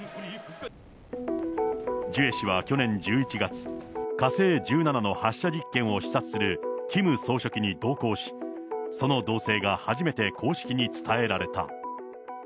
ジュエ氏は去年１１月、火星１７の発射実験を視察するキム総書記に同行し、その動静が初めて公式に伝えられた。